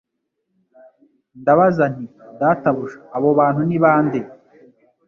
Ndabaza nti Databuja abo bantu ni bande